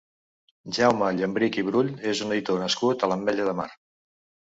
Jaume Llambrich i Brull és un editor nascut a l'Ametlla de Mar.